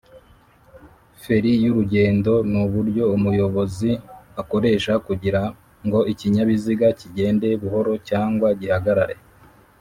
feri yurugendo nuburyo umuyobozi akoresha Kugirango ikinyabiziga kigenda buhoro cg gihagarare